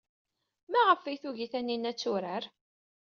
Maɣef ay tugi Taninna ad turar?